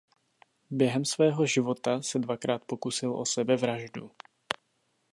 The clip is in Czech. Během svého života se dvakrát pokusil o sebevraždu.